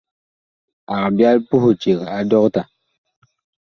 Ag byal puh eceg a dɔkta.